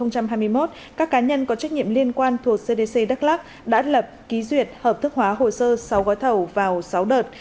các cá nhân có trách nhiệm liên quan thuộc cdc đắk lắc đã lập ký duyệt hợp thức hóa hồ sơ sáu gói thầu vào sáu đợt